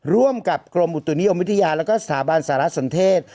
ร่วมกับกรมอุตุนิยมวิทยาแล้วก็สถาบันสารสนเทศ